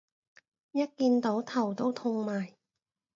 一見到頭都痛埋